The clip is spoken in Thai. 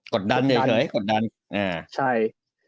กดดันเฉยกดดันอ่าใช่